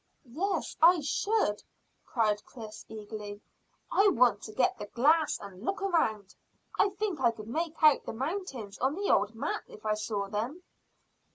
"Yes, I should," cried Chris eagerly. "I want to get the glass and look round. I think I could make out the mountains on the old map if I saw them."